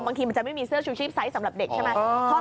บางทีมันจะไม่มีเสื้อชูชีพไซส์สำหรับเด็กใช่ไหม